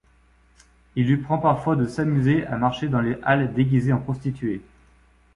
Il lui prend parfois de s'amuser à marcher dans les Halles déguisée en prostituée.